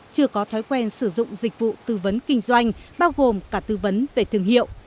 chưa có thói quen sử dụng dịch vụ tư vấn kinh doanh bao gồm cả tư vấn về thương hiệu